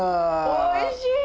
おいしい！